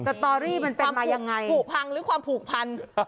แต่ต่อรี่มันเป็นมายังไงความผูกพังหรือความผูกพัน